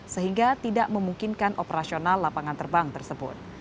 sehingga tidak memungkinkan operasional lapangan terbang tersebut